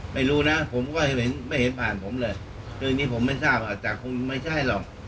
ไม่รู้นะผมก็ไม่เห็นไม่เห็นผ่านผมเลยเรื่องนี้ผมไม่ทราบอาจจะคงไม่ใช่หรอก